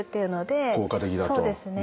そうですね。